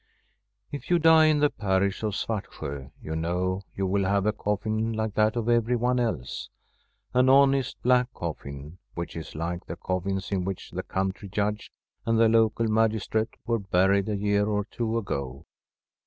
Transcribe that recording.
If you die in the parish of Svartsjo you know you will have a coffin like that of everyone else — an honest black coffin which is like the coffins in which the country judge and the local magistrate were buried a year or two ago.